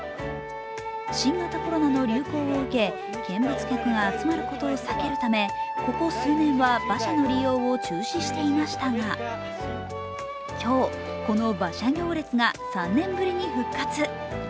新型コロナの流行を受け見物客が集まることを避けるためここ数年は馬車の利用を中止していましたが、今日、この馬車行列が３年ぶりに復活。